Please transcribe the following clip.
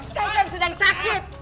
saya kan sedang sakit